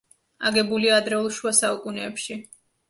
აგებულია ადრეულ შუა საუკუნეებში.